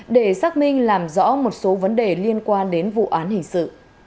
để xác minh làm rõ một số vấn đề liên quan đến vụ án hình sự